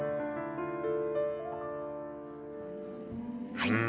はい。